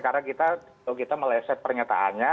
karena kalau kita meleset pernyataannya